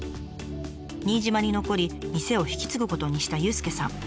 新島に残り店を引き継ぐことにした佑介さん。